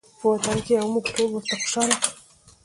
په وطن کې یو موږ ټول ورته خوشحاله